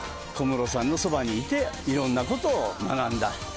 小室さんのそばにいていろんなことを学んだ。